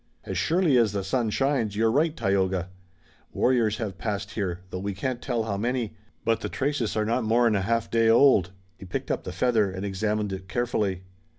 "As surely as the sun shines, you're right, Tayoga! Warriors have passed here, though we can't tell how many! But the traces are not more'n a half day old." He picked up the feather and examined it carefully.